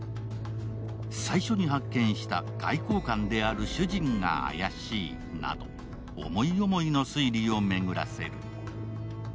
最初に発見した、外交官である主人が怪しいなど思い思いの推理を巡らせる。